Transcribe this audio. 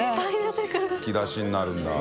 突き出しになるんだ。